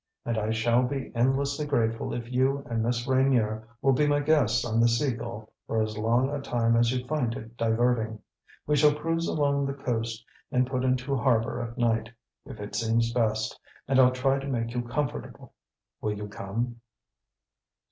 And I shall be endlessly grateful if you and Miss Reynier will be my guests on the Sea Gull for as long a time as you find it diverting. We shall cruise along the coast and put into harbor at night, if it seems best; and I'll try to make you comfortable. Will you come?"